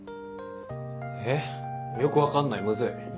えよく分かんないムズい。